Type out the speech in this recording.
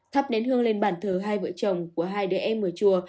thắp đến hương lên bản thờ hai vợ chồng của hai đứa em ở chùa